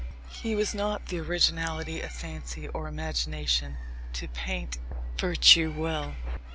He has not the originality of fancy or imagination to paint virtue well.